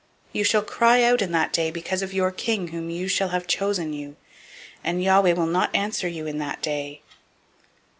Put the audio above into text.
008:018 You shall cry out in that day because of your king whom you shall have chosen you; and Yahweh will not answer you in that day.